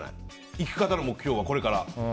生き方の目標は、これから。